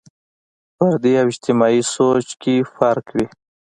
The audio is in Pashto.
فردي او اجتماعي سوچ کې فرق وي.